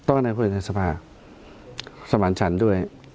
ต้องคุยในกรรมการสมัครสมัครชันด้วย